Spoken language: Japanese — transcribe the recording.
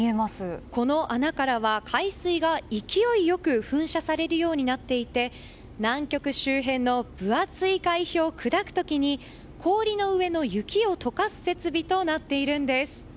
この穴からは海水が勢いよく噴射されるようになっていて南極周辺の分厚い海氷を砕く時に氷の上の雪を解かす設備となっているんです。